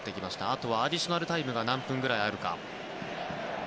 あとはアディショナルタイムが何分ぐらいあるか。